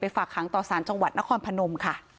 ฝากหางต่อสารจังหวัดนครพนมค่ะ